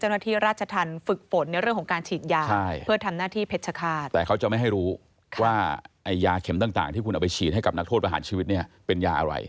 ในเฟซบุ๊คนะฮะส่วนตัว